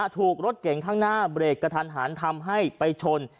ถูกรถเก่งข้างหน้าเบรกกระทันหันทำให้ไปชน